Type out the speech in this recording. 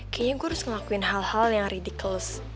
kayaknya gue harus ngelakuin hal hal yang ridical